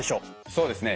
そうですね。